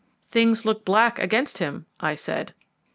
"Things look black against him," I said.